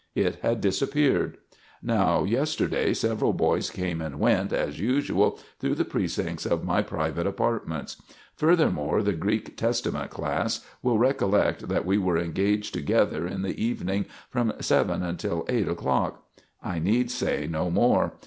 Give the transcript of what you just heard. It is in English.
It had disappeared. Now, yesterday several boys came and went, as usual, through the precincts of my private apartments. Furthermore, the Greek Testament class will recollect that we were engaged together in the evening from seven until eight o'clock. I need say no more.